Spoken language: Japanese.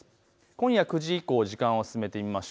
今夜９時以降、時間を進めます。